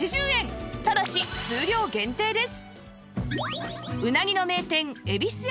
ただし数量限定です